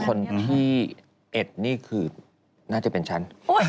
คนที่๑นี่คือน่าจะเป็นฉัน